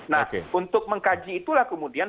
nah untuk mengkaji itulah kemudian